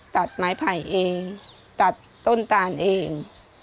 ตัดไม้ไผ่เองตัดต้นตานเอง